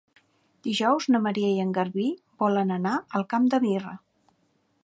Dijous na Maria i en Garbí volen anar al Camp de Mirra.